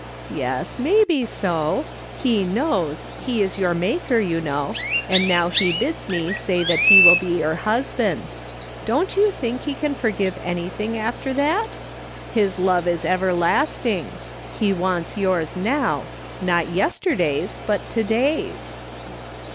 " Yes, maybe so. He knows ; he is your Maker, you know, and now he bids me say that he will be your husband. Don't you think he can for give an}iihing after that ? His love is everlasting. He wants yours now ; not yesterday's, but to day's."